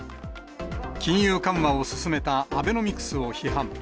金融緩和を進めたアベノミクスを批判。